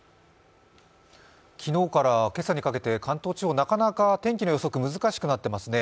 昨日から今朝にかけて関東地方、天気の予想がなかなか難しくなっていますね。